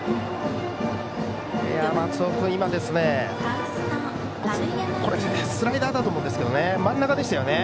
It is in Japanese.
松尾君、今のはスライダーだと思うんですけど真ん中でしたよね。